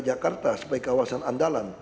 jakarta sebagai kawasan andalan